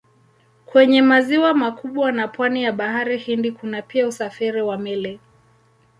Kwenye maziwa makubwa na pwani ya Bahari Hindi kuna pia usafiri wa meli.